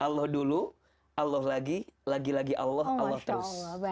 allah dulu allah lagi lagi allah allah terus